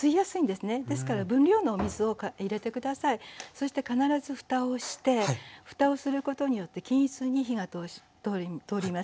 そして必ずふたをしてふたをすることによって均一に火が通ります。